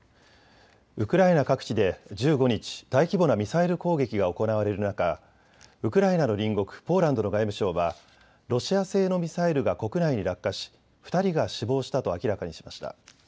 ウクライナ各地で１５日、大規模なミサイル攻撃が行われる中、ウクライナの隣国ポーランドの外務省はロシア製のミサイルが国内に落下し２人が死亡したと明らかにしました。